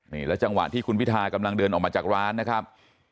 นี่แล้วจังหวะที่คุณพิทากำลังเดินออกมาจากร้านนะครับ